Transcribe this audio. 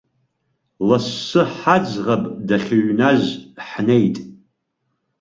Лассы ҳаӡӷаб дахьыҩназ ҳнеит.